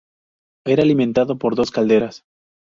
Era alimentado por dos calderas.